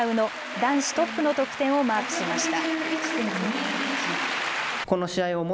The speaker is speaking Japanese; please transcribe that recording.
男子トップの得点をマークしました。